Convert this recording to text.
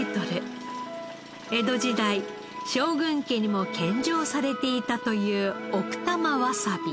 江戸時代将軍家にも献上されていたという奥多摩わさび。